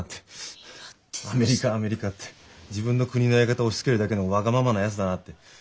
アメリカアメリカって自分の国のやり方を押しつけるだけのわがままなやつだなって。